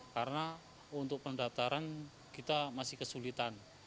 karena untuk pendaftaran kita masih kesulitan